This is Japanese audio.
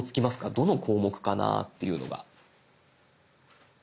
どの項目かなっていうのが。